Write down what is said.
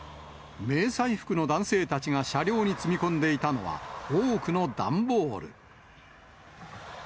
迷彩服の男性たちが車両に積み込んでいたのは、多くの段ボール。